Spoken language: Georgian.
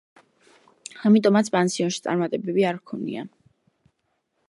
ამიტომაც პანსიონში წარმატებები არ ჰქონია.